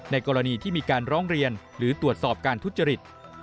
กรณีที่มีการร้องเรียนหรือตรวจสอบการทุจริต